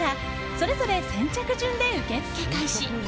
それぞれ先着順で受け付け開始。